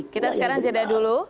kita sekarang jeda dulu